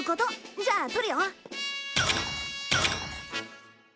じゃあ撮るよ。